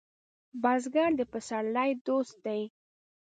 بزګر د پسرلي دوست دی